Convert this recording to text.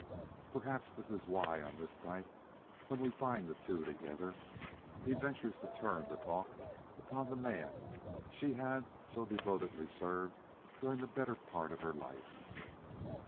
Perhaps this is why, on this night when we find the two together, he ventures to turn the talk upon the man she had so devotedly served during the better part of her life.